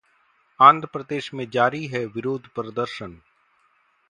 आंध्रप्रदेश में जारी है विरोध प्रदर्शन